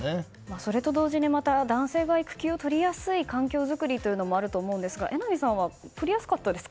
それと同時に男性が育休を取りやすい環境づくりがありますが榎並さんは取りやすかったですか？